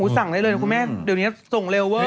สั่งได้เลยนะคุณแม่เดี๋ยวนี้ส่งเร็วเวอร์